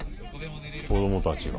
子供たちが。